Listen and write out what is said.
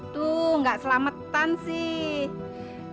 tuh gak selamatan sih